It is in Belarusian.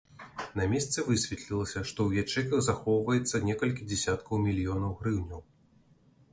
На месцы высветлілася, што ў ячэйках захоўваецца некалькі дзясяткаў мільёнаў грыўняў.